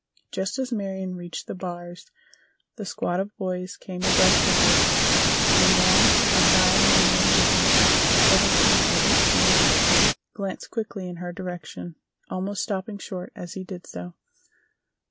Just as Marion reached the bars the squad of boys came abreast of her, and one—a fine, manly looking chap of seventeen or eighteen—glanced quickly in her direction, almost stopping short as he did so.